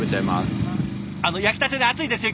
あの焼きたてで熱いですよ。